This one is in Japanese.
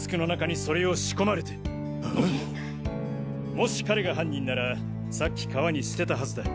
もし彼が犯人ならさっき川に捨てたはずだ。